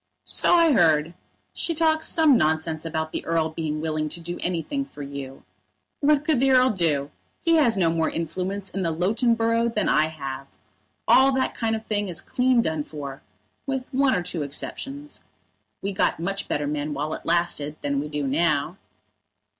"So I heard. She talks some nonsense about the Earl being willing to do anything for you. What could the Earl do? He has no more influence in the Loughton borough than I have. All that kind of thing is clean done for, with one or two exceptions. We got much better men while it lasted than we do now."